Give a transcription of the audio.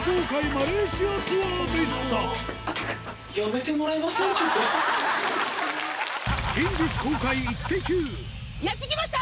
マレーシアツアーでしたやって来ました！